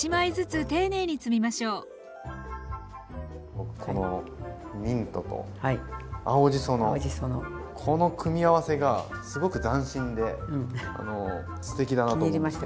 僕このミントと青じその組み合わせがすごく斬新ですてきだなと思って。